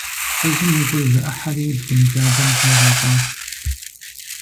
ЛӀыжьым и гур зэӀыхьэри, блынджабэм зригъэщӀащ.